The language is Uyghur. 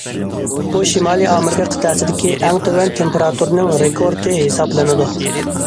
بۇ شىمالىي ئامېرىكا قىتئەسىدىكى ئەڭ تۆۋەن تېمپېراتۇرىنىڭ رېكورتى ھېسابلىنىدۇ.